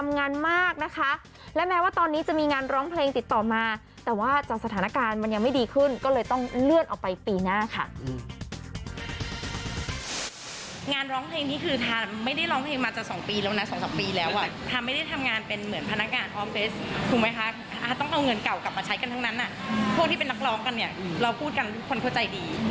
งานมากนะคะไม่ได้ร้องเพลงมาจะ๒ปีแล้วนะ๒๓ปีแล้วอ่ะทานไม่ได้ทำงานเป็นเหมือนพนักงานออฟเฟสถูกไหมคะต้องเอาเงินเก่ากลับมาใช้กันทั้งนั้นพวกที่เป็นนักร้องกันเนี่ยเราพูดกันทุกคนเข้าใจดี